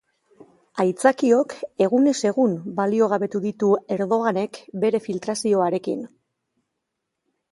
Aitzakiok egunez egun baliogabetu ditu Erdoganek bere filtrazioekin.